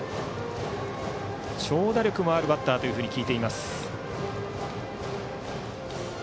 長打力もあるバッターと聞いています。